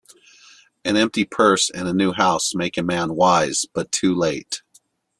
An empty purse, and a new house, make a man wise, but too late.